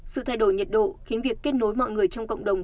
sự thay đổi nhiệt độ khiến việc kết nối mọi người trong cộng đồng